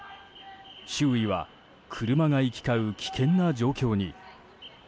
周囲は車が行き交う危険の状況に。